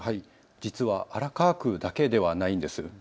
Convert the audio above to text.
実は荒川区だけではないんです。